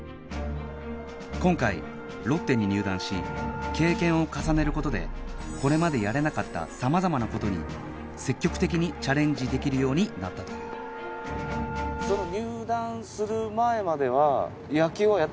今回ロッテに入団し経験を重ねる事でこれまでやれなかったさまざまな事に積極的にチャレンジできるようになったというええーそうなの？